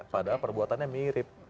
padahal perbuatannya mirip